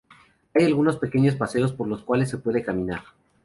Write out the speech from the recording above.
Hay algunos pequeños paseos por los cuales se puede caminar.